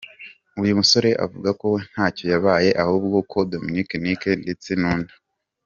Uyu musore avuga ko we ntacyo yabaye ahubwo ko Dominic Nic ndetse nundi.